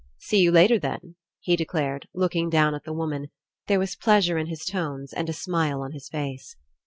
"See you later, then," he declared, look ing down at the woman. There was pleasure in his tones and a smile on his face.